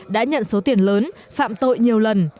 đã nhận số tiền lớn phạm tội nhiều lần